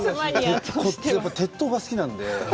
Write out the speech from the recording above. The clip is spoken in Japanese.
鉄骨、鉄塔が好きなんで。